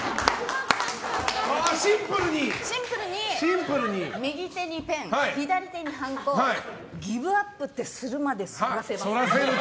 シンプルに右手にペン左手にハンコギブアップってするまで反らせます。